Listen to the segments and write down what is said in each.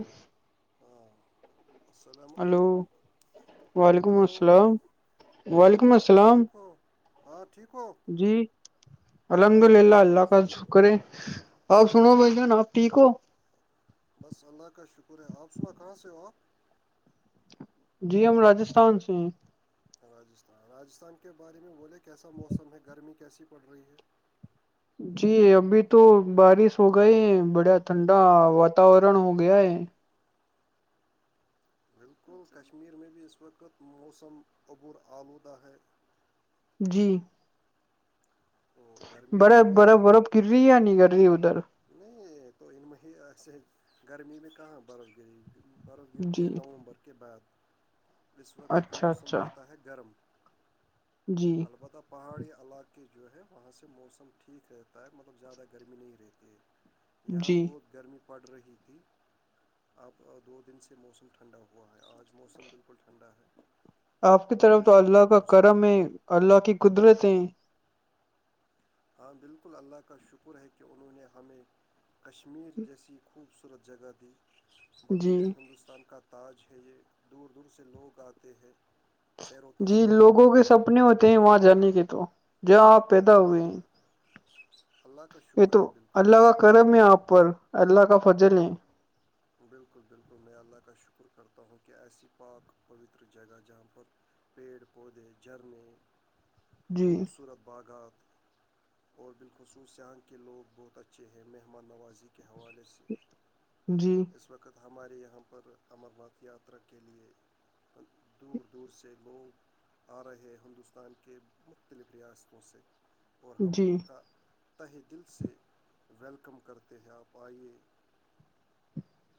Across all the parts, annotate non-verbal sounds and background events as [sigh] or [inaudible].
ہی ہاں السلام ہلو علیکم وعلیکم ہلو السلام وعلیکم ہاں آپ السلام ٹھیک ہو ہاں ٹھیک کو جی الحمد للہ اللہ آپ کا شکر ہے آپ سنو بھ جان آپ ٹھیک ہو بس جی ہم راستھان سے ہیں راجستھان راجستھان کے بارے میں بولے کیسا موسم ہے گرمی کیسی پڑ رہی ہے جی ابھی تو بارش ہو گئے ہیں بڑا ٹھنڈا واتاورن ہو گیا ہے بالکل کشمیر میں بھی اس وقت موسم عبور آلودہ ہے جی تو گرمی پڑ برف رہی برف تھی برف کرر رہی یا نہیں کر رہی ادھر نہیں تو ان میں ہی ایسے گرمی میں کہاں برف گئی برف گرتی ہے جی نومبر کے بعد اس وقت اچھا موسم اچھا رہتا ہے گرم جی البتہ پہاڑی علاقے جو ہے وہاں سے موسم ٹھیک رہتا ہے مطلب زیادہ گرمی نہیں رہتی ہے یہاں جی بہت گرمی پڑ رہی تھی اب دو دن سے موسم ٹھنڈا ہوا ہے آج موسم بالکل ٹھنڈا ہے آپ کی طرف تو اللہ خوشگوار کا موسم کرم ہے اللہ کی قدرت ہے ہاں بالکل اللہ کا شکر ہے کہ انہوں نے ہمیں کشمیر جیسی خوب خوبصورت جگہ تھی جی بلکہ ہندوستان کا تاج ہے یہ دور دور سے لوگ آتے ہیں سیر و تفریح کے لیے اپنے ہوتے ہیں وہاں جانے کے تو آپ پد بالکل اللہ کا یہ شکر تو ہے بالکل اللہ کا بالکل کرم آپ پر اللہ کا فجلیں بالکل بالکل میں اللہ کا شکر کرتا ہوں کہ ایسی پاک پوتر جگہ جہاں پر پیڑ پودے جھرنے جی خوبصورت باغات اور بالخصوص یاں کے لوگ بہت اچھے ہیں مہمان نوازی کے حوالے سے جی اس وقت ہمارے یہاں پر امرناتھ یاترا کے لیے دور دور سے لوگ آ رہے ہیں ہندوستان کے مختلف ریاستوں سے اور ہم جی ان کا تہ دل سے ویلکم کرتے ہیں آپ آئیے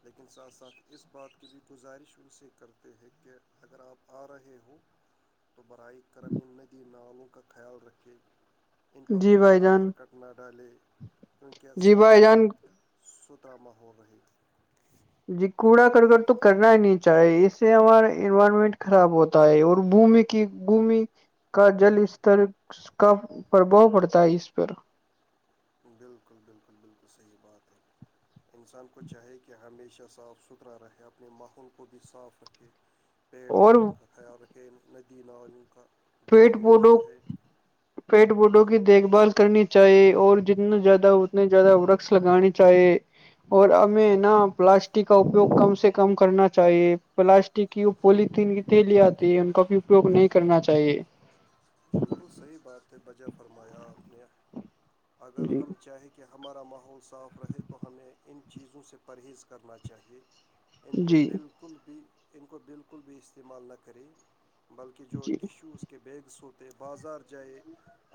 لیکن ساتھ ساتھ اس بات کی بھی گزارش ان سے کرتے ہیں کہ اگر آپ آ رہے ہو تو برائے کرم ندی نالوں کا خیال رکھے ان پر جی بھائی کوڑا جان کرکٹ نہ ڈالے کیونکہ جی صاف بھائی جان سترا ماحول رہی جی کوڑا کرکر تو کرنا ہی نہیں چاہی اس سے ہمارا انوائرمنٹ خراب ہوتا ہے اور بھمی کی گھمی کا جل استر کا پربھؤ پڑتا ہے اس پر بالکل بالکل بالکل صحیح بات ہے انسان کو چاہے کہ ہمیشہ صاف ستھرا رہے اپنے ماحول کو بھی صاف رکھے پیڑ اور پوڑ ان کا خیال رکھیں ندی نا ان کا پیٹ جھرنے جو ہے بوٹوں کی دیکھ بھال کرنی چاہیے اور جتنے زیادہ اتنے زیادہ وکس لگانی چاہیے اور ہمیں نا پلاسٹک کا اپیوگ کم سے کم کرنا چاہیے پلاسٹ کہ وہ پولیتھیین کی تیلی آتی ہے ان کا بھی اپیوگ نہیں کرنا چاہیے بالکل صحیح بات ہے بجائے فرمایا آپ نے اگر جی ہم چاہیں کہ ہمارا ماحول صاف رہے تو ہمیں ان چیزوں سے پرہیز کرنا چاہیے ان کو جی بالکل بھی ان کو بالکل بھی استعمال نہ کریں بلکہ جو جی ٹیشوز کے بیگس ہوتے بازار جائے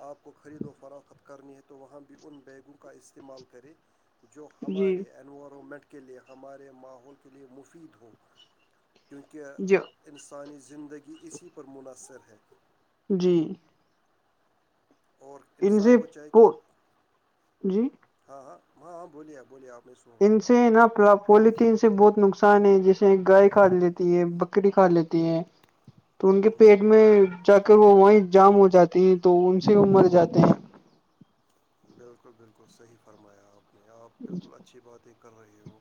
آپ کو خرید و فروخت کرنی ہے تو وہاں بھی ان بیگوں کا استعمال کرے جو ہمارے جی انوائارمنٹ کے لیے ہمارے ماحول کے لیے مفید ہو جی کیونکہ انسانی زندگی اسی پر منحصر ہے جی اور ان انسان سے کو چاہے کہ جی ہاں ہاں ہاں ہاں بولیے بولیے آپ نے اس ان سے ن اپلب پولیتھیین سے بہت نقصان ہے جیسے گائے کھا لیتی ہے بکری کھا لیتی ہے تو ان کے بولیے پیٹ میں جا کر وہ وہیں جام ہو جاتی ہیں تو ان سے وہ مر جاتے ہیں بالکل بالکل صحیح فرمایا آپ نے آپ بالکل اچھی باتیں کر رہے ہو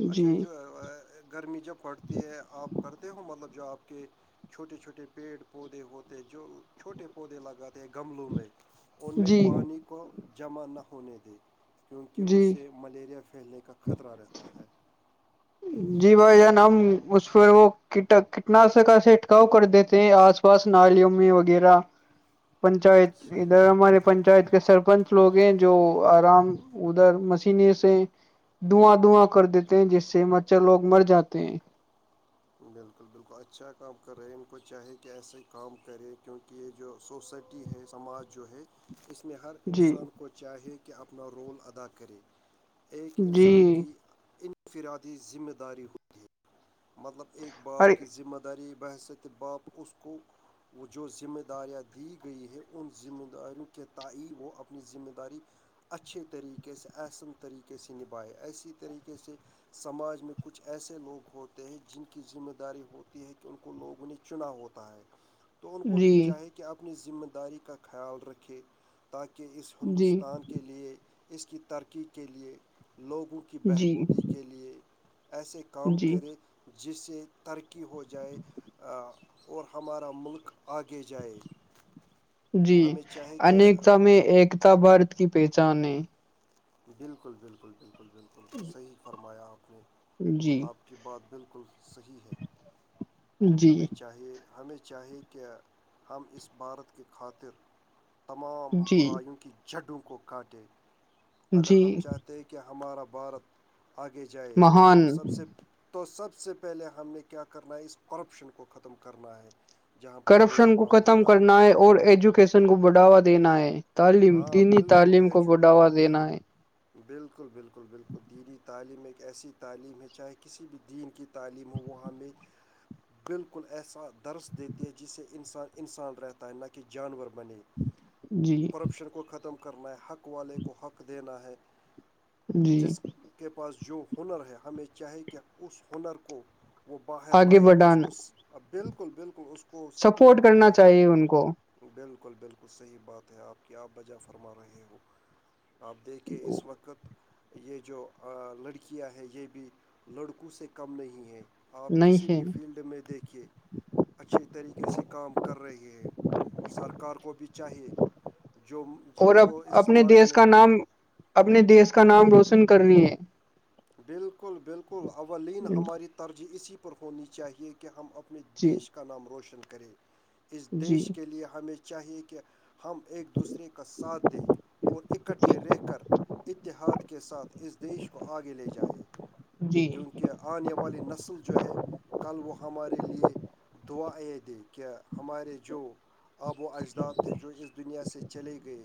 جی اچھا یہ جو ہے گرمی جب پڑتی ہے آپ کرتے ہو مطلب جو آپ کے چھوٹے چھوٹے پیڑ پودے ہوتے ہیں جو چھوٹے پودے لگاتے ہیں گملوں میں ان میں جی پانی کو جمع نہ ہونے دے کیونکہ جی اسے ملیریا پھیلنے کا خطرہ رہتا ہے جی بھائی جان ہم اس پ وہ کٹ کٹنا سک سے اٹکاؤ کر دیتے ہیں آس پاس نالیوں میں وغیرہ پنچایت ادھر صحیح ہمارے پنچایت کے سرپنچ ک لوگ ہیں جو آرام ادھر مشنے سے دھواں دھواں کر دیتے ہیں جس سے مچھر لوگ مر جاتے ہیں بالکل بالکل اچھا کام کر رہے ہیں ان کو چاہے کہ ایسے ہی کام کرے کیونکہ یہ جو سوسائٹی ہے سماج جو ہے اس میں ہر جی انسان کو چاہیے کہ اپنا رول ادا کرے ایک جی انسان کی انفرادی ذمہ داری ہو مطلب ایکک باپ ارے کی ذمہ داری بہیثےت باپ اس کو وہ جو ذمہ داریاں دی گئی ہے ان ذمہ داریوں کے تائ وہ اپنی ذمہ داری اچھے طریقے سے آسن طریقے سے نبھائے ایسی طریقے سے سماج میں کچھ ایسے لوگ ہوتے جن کی ذمہ داری ہوتی ہے کہ ان کو لوگوں نے چنا ہوتا ہے تو ان کو بھی جی چاہے کہ اپنی ذمہ داری کا خیال رکھے تاکہ اس جی ہندوستان کے لئے اس کی ترقی کے لئے لوگوں کی جی بہبودی کی کے لیے ایسے کام جی کرے جسے ترقی ہو جائے اور ہمارا ملک آگے جائے جی ہمیں چاہیے کہ انیکتا میں ایکتا بھارت کی پہچان ہے بالکل بالکل بالکل بالکل صحیح فرمایا آپ نے جی آپ کی بات بالکل صحیح ہے جی ہمیں چاہیے ہمیں چاہیے کہ ہم اس بھارت کی خاطر تمام جی برائیوں کی جڈوں کو کاٹے اگر ہم جی چاہتے ہیں کہ ہمارا بھارت آگے جائے مہان تو سب سے تو سب سے پہلے ہم نے کیا کرنا ہے اس کرپشن کو ختم کرنا ہے جہاں پر بھید کرپشن کو بھاؤ ختم ہوتا کرنا ہے اور ایجوکیشن کو بڑھاوا دینا ہے تعلیم ہاں دینی بالکل تعلیم کو ایجو بڑھاوا دینا ہے بالکل بالکل بالکل دینی تعلیم ایک ایسی تعلیم ہے چاہے کسی بھی دین کی تعلیم ہو وہ ہمیں بالکل ایسا درس دیتی ہے جس سے انسان انسان رہتا ہے نہ کہ جانور بنے [inaudible] جی کرپشن کو ختم کرنا ہے حق والے کو حق دینا ہے جی جس کے پاس جو ہنر ہے ہمیں چاہے کہ اس ہنر کو وہ باہر آگے لائے اس بڑھانا کو بالکل بالکل اس کو سپورٹ کرنا ہے چاہیے ان کو بالکل بالکل صحیح بات ہے آپ کیا آپ وجہ فرما رہے ہو آپ دیکھ کہ اس وقت یہ جو لڑکیاں ہیں یہ بھی لڑکوں سے کم نہیں ہے آپ نہیں کسی ہے بھی فیلڈ میں دیکھیے اچھی طریقے سے کام کر رہے ہیں اور سرکار کو بھی چاہیے جو جن اور اب کو اس اپنے سماج دیش میں کا نام اپنے دیس کا نام روشن کرنی ہے بالکل بالکل اولین ہماری ترجیح اسی پر ہونی چاہیے کہ ہم اپ جی دیش کا نام روشن کرے اس جی دیش کے لیے ہمیں چاہیے کہ ہم ایک دوسرے کا ساتھ دیں اور اکٹھے رہ کر اتحاد کے ساتھ اس دیش کو آگے لے جائے جی کیونکہ کہ آنے والی نسل جو ہے کل وہ ہمارے لیے دعا یہ کہ ہمارے جو آب وہ اجداد تھے جو اس دنیا سے چلے گئے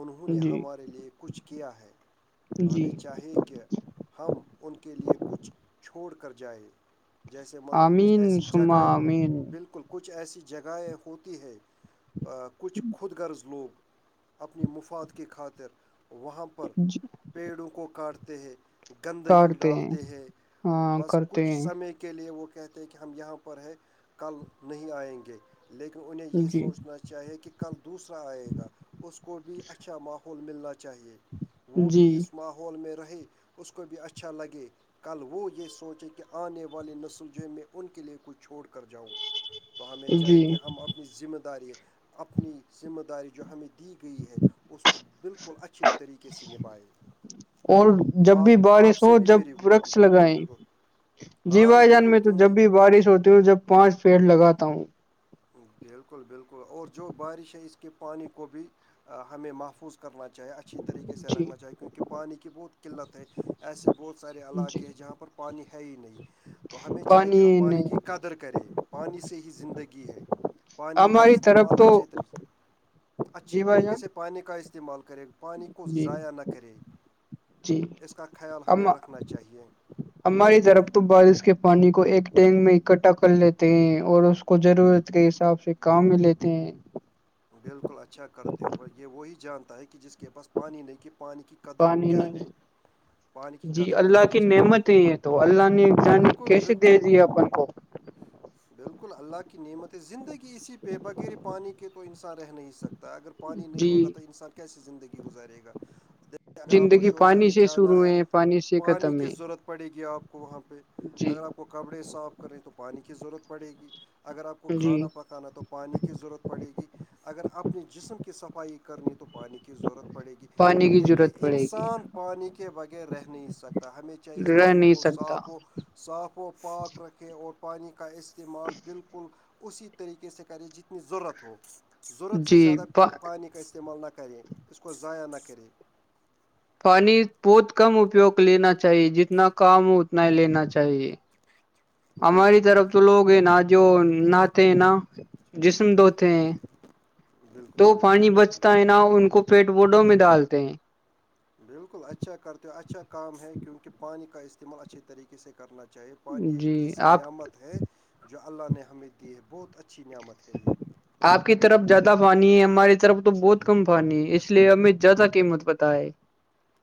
انہوں نے جی ہمارے لیے کچھ کیا ہے تو جی ہمیں چاہیے کہ ہم ان کے لئے کچھ چھوڑ کر جائ جیسے مطلب کچھ آمین ایسی سما آمین جگہیں بالکل کچھ ایسی جگہیں ہوتی ہے کچھ خود غرض لوگ اپنی مفاد کی خاطر وہاں پر پیڑوں کو کاٹتے ہیں گندگی ڈالتے ہیں ہاں بس کرتے کچھ ہیں سمے کے لیے وہ کہتے کہ ہم یہاں پر ہیں کل نہیں آئیں گے لیکن انہیں یہ جی سوچنا چاہیے کہ کل دوسرا آئے گا اس کو بھی اچھا ماحول ملنا چاہیے وہ بھی جی اس ماحول میں رہے اس کو بھی اچھا لگے کل وہ یہ سوچیں کہ آنے والے نسلجیں میں ان کے لئے کچھ چھوڑ کر جاؤں تو ہمیں چاہی جی کہ ہم اپنی ذمہ داری اپنی ذمہ داری جو ہمیں دی گئی ہے اس کو بالکل اچھی طریقے سے نبھائے اور جب بھی بارش ہو سے بھی میری جب رقص لگائ بالکل بالکل جی ہاں بھائی جان بالکل میں تو کیوں جب نہیں بھی بارش ہوتی ہوں جب پانچ پیڑ لگاتا ہوں بالکل بالکل اور جو بارش ہے اس کے پانی کو بھی ہمیں محفوظ کرنا چاہے اچھی طریقے سے جی رکھنا چاہے کیونکہ پانی کی بہت قلت ہے ایسے بہت سارے جی علاقے ہیں جہاں پر پانی ہے ہی نہیں تو ہمیں چاہے کہ ہم پانی کی قدر کریں پانی سے ہی زندگی ہے پانی کا ہماری طرف استعمال تو اچھے طریق اچھی جی بھائی طریقے جان سے پانی کا استعمال کر گے پانی کو جی ضائع نہ کرے جی اس کا خیال ہمیں ہم رکھنا چاہیے ہماری طرف تو بارش کے پانی کو ایک ٹینک میں اکٹھا کر لیتے ہیں اور اس کو ضرورت کے حساب سے کام بھی لیتے ہیں بالکل اچھا کرتے ہو یہ وہی جانتا ہے کہ جس کے پاس پانی نہیں کہ پانی کی قدر پانی کیا ہے نہیں پانی کی جی قدر اللہ کرنی کی چاہیے نعمت ہے یہ تو اللہ نے جان بالکل کیسے دے بالکل دی ہے اپن کوپی [inaudible] بالکل اللہ کی نعمت ہے زندگی اسی پہ بغیر پانی کے تو انسان رہ نہیں سکتا اگر پانی نہیں جی ہوگا تو انسان کیسے زندگی گزارے گا دیکھیے اگر آپ کو زندگی پانی شوچالے سے جانا شروع ہے پانی سے ختم کی ہے ضرورت پڑے گی آپ کو وہاں پہ جی اگر آپ کو کپڑے صاف کریں تو پانی کی ضرورت پڑے گی اگر آپ کو جی کھانا پکا نا تو پانی کی ضرورت پڑے گی اگر اپنے جسم کی صفائی کرنی تو پانی کی ضرورت پڑے گی پانی کی دیکھیے ضرورت پڑے گی انسان پانی کے بغیر رہ نہیں سکتا ہیں چاہ اس رہ پانی کو نہیں سکتا صاف و صاف و پاک رکھیں اور پانی کا استعمال بالکل اسی طریقے سے کریں جتنی ضرورت ہو ضرورت سے جی زیادہ پا پانی کا استعمال نہ کریں اس کو ضائع نہ کرے پانی بہت کم اپیوگ لینا چاہیے جتنا کام ہو اتنا ہی لینا چاہیے ہماری بالکل طرف بالکل تو بالکل لوگ ہیں نا جو نہتے ہیں نا جسم دھوتے ہیں بالکل تو بالکل پانی بالکل بچتا ہےا نہ ان کو پیٹ بورڈوں میں ڈالتے ہیں بالکل اچھا کرتے ہو اچھا کام ہے کیونکہ پانی کا استعمال اچھھی طریقے سے کرنا چاہے پانی ایک جی ایسی آپ نعمت ہے جو اللہ نے ہمیں دی ہے بہت اچھی نعمت ہے یہ آپ کی طرف زیادہ پانی ہے ہماری طرف تو بہت کم پانی ہے اس لیے ہمیں زیادہ قیمت پتا ہے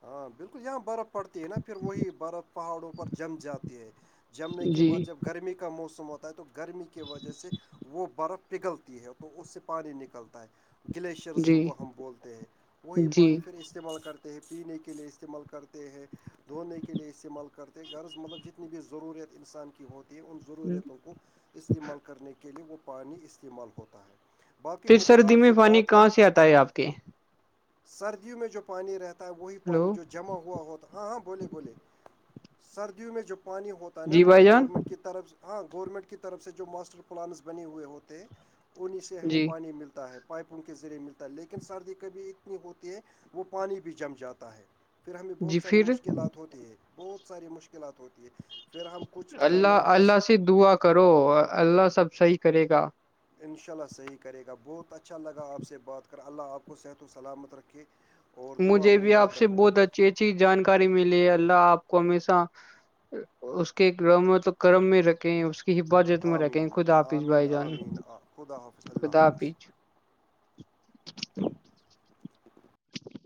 ہاں بالکل یہاں برف پڑتی ہے نا پھر وہی برف پہاڑوں پر جم جاتی ہے جمنے کے جی بعد جب گرمی کا موسم ہوتا ہے تو گرمی کی وجہ سے وہ برف پگھلتی ہے تو اس سے پانی نکلتا ہے گلیشئرز جن جی کو ہم بولتے ہیں وہی جی پانی پھر استعمال کر پینے کے لیے استعمال کرتے ہیں دھونے کے لیے استعمال کرتے غض مطلب جتنی بھی ضرورت انسان کی ہوتی ان پھر ضرورتوں کو استعمال کرنے کے لئے وہ پانی استعمال ہوتا ہے باقی پھر مجھے سردی آپ میں سے پانی بات کہاں کر سے آتا ہے آپ کے سردیوں میں جو پانی رہتا ہے وہی پانی ہلو جو جمع ہوا ہوتا ہاں ہاں بولے بولے سردیوں میں جو پانی ہوتا ہے نا جی بھائی مطلب جان گورنمنٹ کی طرف ہاں گورنمنٹ کی طرف سے جو ماسٹر پلانس بنے ہوئے ہوتے ہیں اوہیں سے ہمیں جی پانی ملتا ہے پائپوں کے ذریعے ملتا ہے لیکن سردی کبھی نی ہوتی ہے وہ پانی بھی جم جاتا ہے پھر ہمیں جی بہت ساری پھر مشکلات ہوتی ہے بہت ساری مشکلات ہوتی ہے پھر ہم کچھ اللہ لوگ ایسے اللہ سے دعا کرو اللہ سب صحیح کرے گا انشاء اللہ صحیح کرے گا بہت اچھا لگا آپ سے بات کر اللہ آپ کو صحت و سلامت رکھے اور دعا مجھے میں بھی آپ یاد سے رکھنا ہے بہت اچھی اچھی جانکاری ملی ہے اللہ آپ کو ہمیشہ اس کے رم تو کرم میں رکھے ہیں اس [inaudible] کہ بجٹ م رہ ہے کہ آمین خودا اپیس آمین بھائی جان آمین آ- خدا حافظ اللہ خودا حافظ آی [inaudible]